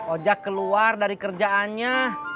ojek keluar dari kerjaannya